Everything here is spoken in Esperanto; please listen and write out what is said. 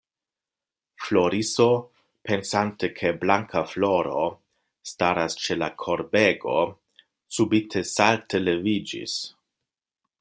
Floriso, pensante ke Blankafloro staras ĉe la korbego, subite salte leviĝis.